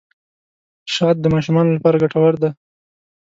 شات د ماشومانو لپاره ګټور دي.